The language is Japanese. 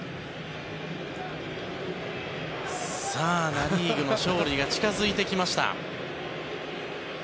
ナ・リーグの勝利が近付いてきました。